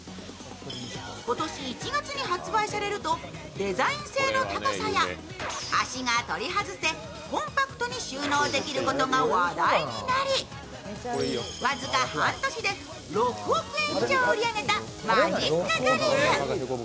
今年１月に発売されるとデザイン性の高さや脚が取り外せ、コンパクトに収納できることが話題になり僅か半年で６億円以上を売り上げたマジックグリル。